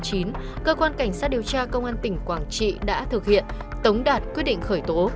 cơ quan cảnh sát điều tra công an tỉnh quảng trị đã thực hiện tống đạt quyết định khởi tố